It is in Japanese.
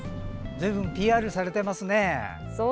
ずいぶんＰＲされてますね。